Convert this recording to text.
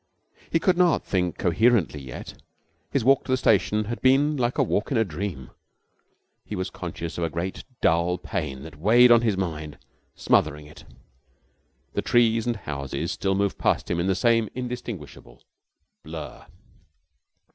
He could not think coherently yet. His walk to the station had been like a walk in a dream. He was conscious of a great, dull pain that weighed on his mind, smothering it. The trees and houses still moved past him in the same indistinguishable blur.